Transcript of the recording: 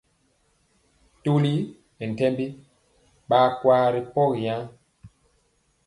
Toli nɛ ntɛmbi ɓaa kwa ri pogi yaŋ.